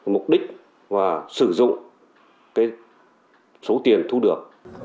mục đích và sử dụng số tiền thu được